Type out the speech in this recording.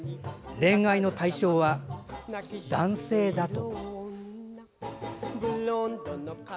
恋愛の対象は男性だと。